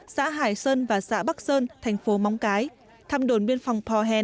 xã hải sơn và xã bắc sơn thành phố móng cái thăm đồn biên phòng pohen